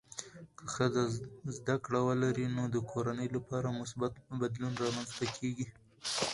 که ښځه زده کړه ولري، نو د کورنۍ لپاره مثبت بدلون رامنځته کېږي.